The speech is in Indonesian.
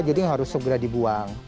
jadi harus segera dibuang